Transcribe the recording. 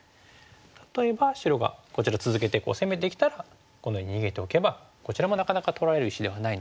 例えば白がこちら続けて攻めてきたらこのように逃げておけばこちらもなかなか取られる石ではないので。